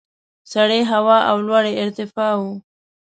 سړې هوا او لوړې ارتفاع وو.